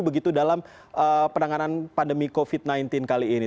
begitu dalam penanganan pandemi covid sembilan belas kali ini